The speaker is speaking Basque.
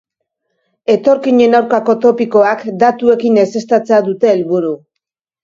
Etorkinen aurkako topikoak datuekin ezeztatzea dute helburu.